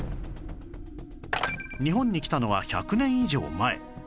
日本に来たのは１００年以上前